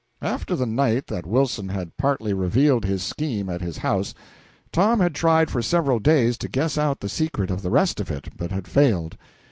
After the night that Wilson had partly revealed his scheme at his house, Tom had tried for several days to guess out the secret of the rest of it, but had failed.